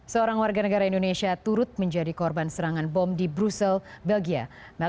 seorang warga negara indonesia turut menjadi korban serangan bom di brussel belgia